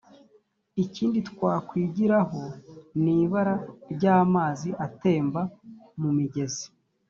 ikindi twakwigiraho ni ibara ry amazi atemba mu migezi